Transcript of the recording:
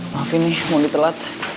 maafin nih mau ditelat